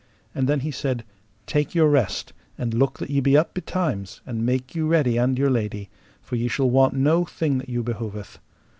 And then he said: Take your rest, and look that ye be up betimes and make you ready and your lady, for ye shall want no thing that you behoveth.